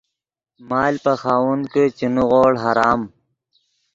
مال پے خاوند کہ چے نیغوڑ حرام